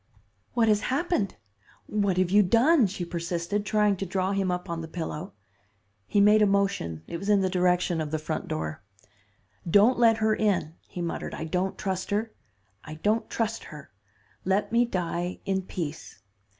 "'What has happened? What have you done?' she persisted, trying to draw him up on the pillow. He made a motion. It was in the direction of the front door. 'Don't let her in,' he muttered. 'I don't trust her, I don't trust her. Let me die in peace.